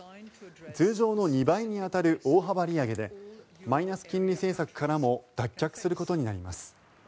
通常の２倍に当たる大幅利上げでマイナス金利政策からも脱却することになります。